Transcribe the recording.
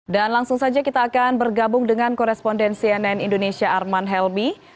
dan langsung saja kita akan bergabung dengan koresponden cnn indonesia arman helmi